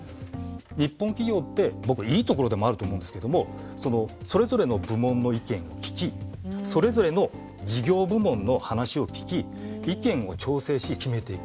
日本企業って僕いいところでもあると思うんですけどもそれぞれの部門の意見を聞きそれぞれの事業部門の話を聞き意見を調整し決めていく。